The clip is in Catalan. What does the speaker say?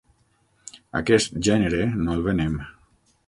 Aquest gènere, no el venem.